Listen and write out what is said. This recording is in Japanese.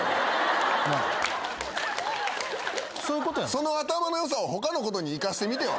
その頭の良さを他のことに生かしてみては？